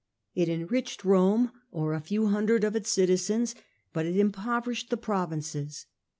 It enriched Rome, or a few hundreds of its citizens, but it impoverished the provinces.